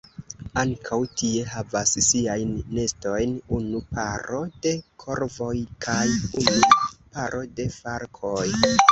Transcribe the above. Ankaŭ tie havas siajn nestojn unu paro de korvoj kaj unu paro de falkoj.